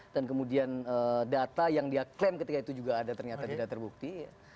dan kemudian data yang dia klaim ketika itu juga ada ternyata tidak terbukti